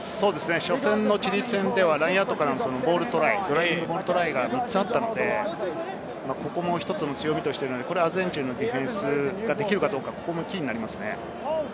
初戦のチリ戦ではラインアウトからのモールトライが３つあったので、ここも１つの強みとしているアルゼンチンのディフェンスができるかどうかがキーになりますね。